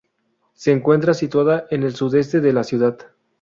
Se encuentra situada en el sudeste de la ciudad.